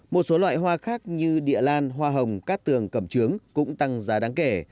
một số loại hoa khác như địa lan hoa hồng cát tường cầm trướng cũng tăng giá đáng kể